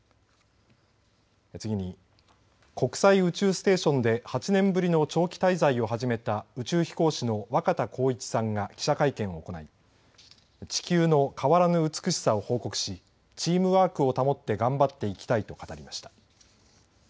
次に、国際宇宙ステーションで８年ぶりの長期滞在を始めた宇宙飛行士の若田光一さんが記者会見を行い地球の変わらぬ美しさを報告しチームワークを保って頑張っていきたいと語りました。